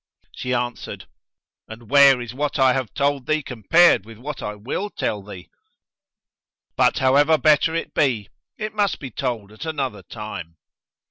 She answered, "And where is what I have told thee compared with what I will tell thee?; but however better it be, it must be told at another time."